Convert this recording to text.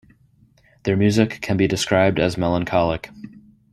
Their music can be described as melancholic.